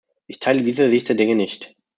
Ich teile diese Sicht der Dinge nicht.